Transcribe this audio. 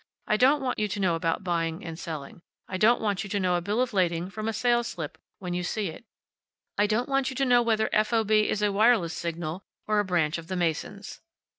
I don't want you to know about buying and selling. I don't want you to know a bill of lading from a sales slip when you see it. I don't want you to know whether f. o. b. is a wireless signal or a branch of the Masons."